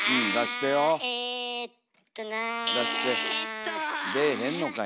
出ぇへんのかいな。